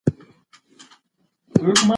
د اقتصاد علم ټولنیز اړخونه مطالعه کوي.